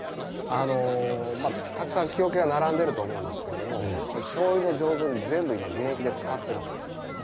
たくさん木桶が並んでると思うんですけれどもこれしょうゆの醸造に全部今現役で使ってます。